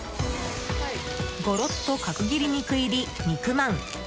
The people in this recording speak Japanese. ごろっと角切り肉入り肉まん。